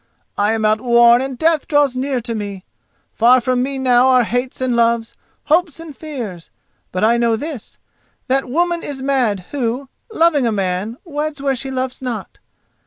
I am outworn, and death draws near to me—far from me now are hates and loves, hopes and fears; but I know this: that woman is mad who, loving a man, weds where she loves not.